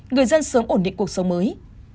người dân sớm ổn định cuộc sống mới